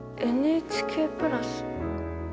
ＮＨＫプラス。